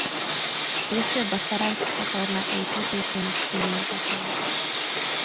Később a Ferenc-csatorna építésének főmérnöke lett.